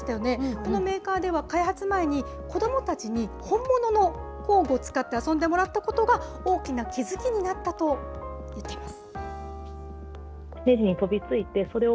このメーカーでは開発前に、子どもたちに本物の工具を使って遊んでもらったことが、大きな気付きになったと言っています。